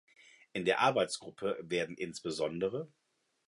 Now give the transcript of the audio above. In der Arbeitsgruppe werden insb.